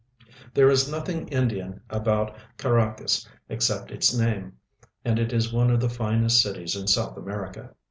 There is nothing Indian about Caracas except its name, and it is one of the finest cities in South America.